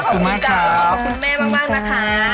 ขอบคุณแม่มากนะคะ